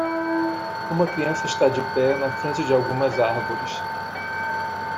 Uma criança está de pé na frente de algumas árvores.